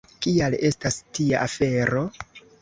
Kial estas tia afero?